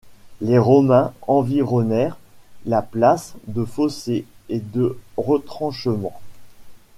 Les Romains environnèrent la place de fossés et de retranchements.